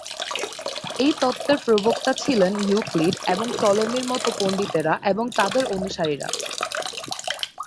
এই তত্ত্বের প্রবক্তা ছিলেন ইউক্লিড এবং টলেমির মত পণ্ডিতেরা এবং তাদের অনুসারীরা।